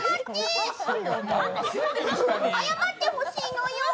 謝ってほしいのよぅ。